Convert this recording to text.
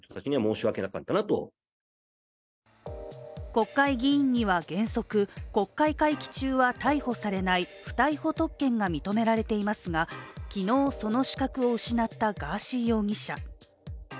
国会議員には原則、国会会期中は逮捕されない不逮捕特権が認められていますが、昨日その資格を失ったガーシー容疑者。